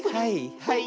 はい。